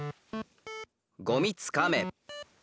「ゴミつかめ」。